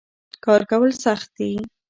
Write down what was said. کار کول سخت دي.